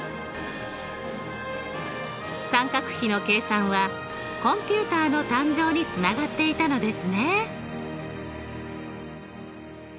三角比の計算はコンピュータの誕生につながっていたのですね。